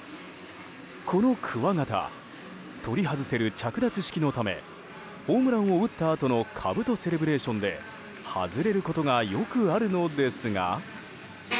このくわ形取り外せる着脱式のためホームランを打ったあとのかぶとセレブレーションで外れることがよくあるのですが。